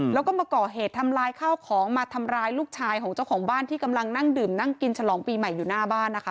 แล้วก็มาก่อเหตุทำลายข้าวของมาทำร้ายลูกชายของเจ้าของบ้านที่กำลังนั่งดื่มนั่งกินฉลองปีใหม่อยู่หน้าบ้านนะคะ